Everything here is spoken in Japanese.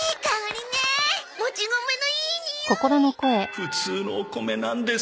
普通のお米なんです